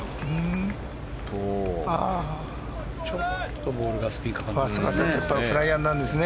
ちょっとボールがスピンかかりましたね。